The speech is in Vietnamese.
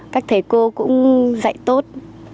các thầy cô cũng dạy tốt